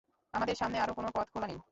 আমাদের সামনে আর কোনও পথ খোলা নেই!